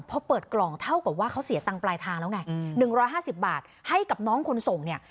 พอเปิดกล่องเท่ากับว่าเขาเสียตังค์ปลายทางแล้วไง๑๕๐บาทให้กับน้องคนส่งเนี่ย